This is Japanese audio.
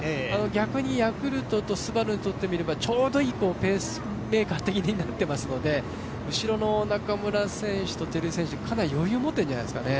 逆にヤクルトとＳＵＢＡＲＵにとってはちょうどいいペースメーカーになっていますので後ろの中村選手と照井選手、かなり余裕持ってるんじゃないですかね。